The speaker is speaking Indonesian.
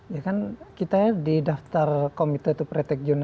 ya kan kita di daftar komite itu